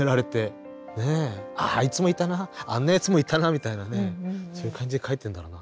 あっあいつもいたなあんなやつもいたなみたいなねそういう感じで描いてるんだろうな。